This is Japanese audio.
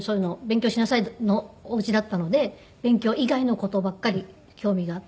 「勉強しなさい」のお家だったので勉強以外の事ばっかり興味があって。